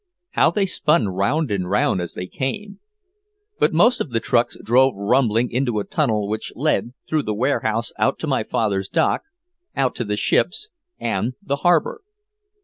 How they spun round and round as they came! But most of the trucks drove rumbling into a tunnel which led through the warehouse out to my father's dock, out to the ships and the harbor.